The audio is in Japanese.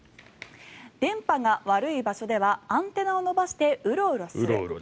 電波が悪い場所ではアンテナを伸ばしてうろうろする。